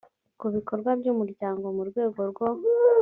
ku bikorwa by umuryango mu rwego rwo